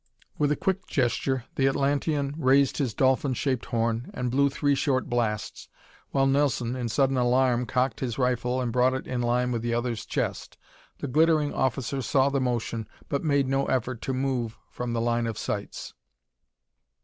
With a quick gesture the Atlantean raised his dolphin shaped horn and blew three short blasts while Nelson, in sudden alarm, cocked his rifle and brought it in line with the other's chest. The glittering officer saw the motion, but made no effort to move from the line of sights.